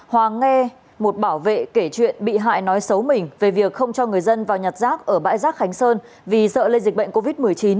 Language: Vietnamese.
hoàng nghe một bảo vệ kể chuyện bị hại nói xấu mình về việc không cho người dân vào nhặt rác ở bãi rác khánh sơn vì sợ lây dịch bệnh covid một mươi chín